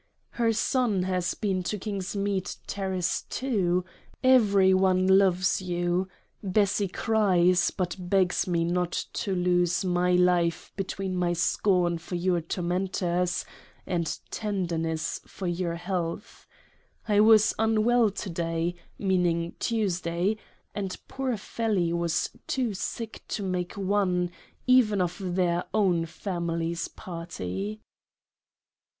Her son has been to King's Mead Terrace too : Every one loves you Bessy cries ; but begs me not to lose my life between my scorn of your Tormentors, and Tenderness for your Health. I was 32 LOVE LETTERS OF MRS. PIOZZI unwell to day, meaning Tuesday, and poor Fellie was too sick to make one, even of their own Family Party.